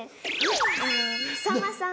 あのさんまさん